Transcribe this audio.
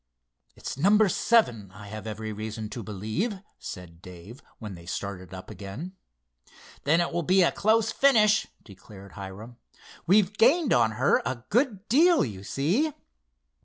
"It's number seven, I have every reason to believe," said Dave, when they started up again. "Then it will be a close finish," declared Hiram. "We've gained on her a good deal, you see."